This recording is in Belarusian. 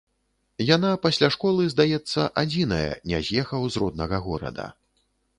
Яна пасля школы, здаецца, адзіная, не з'ехаў з роднага горада.